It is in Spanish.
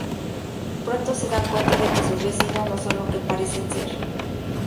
Pronto se dan cuenta de que sus vecinos no son lo que parecen ser.